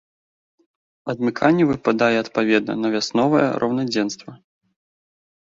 Адмыканне выпадае адпаведна на вясновае раўнадзенства.